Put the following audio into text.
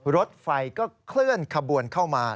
รถไฟก็เคลื่อนขบวนเข้ามา